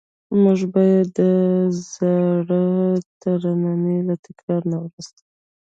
موږ به یې د زاړه ترننی له تکرار نه وروسته.